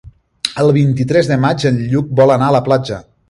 El vint-i-tres de maig en Lluc vol anar a la platja.